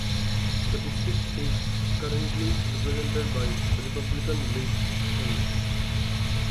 The district is currently represented by Republican Liz Cheney.